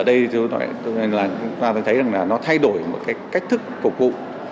ở đây tôi thấy là nó thay đổi một cái cách thức phục vụ